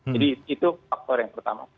jadi itu faktor yang pertama